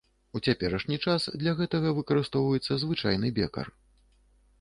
У цяперашні час для гэтага выкарыстоўваецца звычайны бекар.